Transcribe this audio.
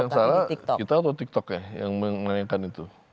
yang salah kita atau tiktok ya yang menanyakan itu